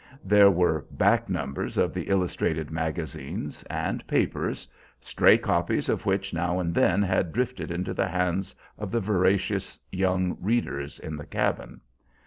There were back numbers of the illustrated magazines and papers, stray copies of which now and then had drifted into the hands of the voracious young readers in the cabin.